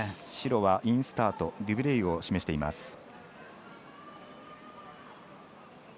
白はインスタートデュブレイユを示しています。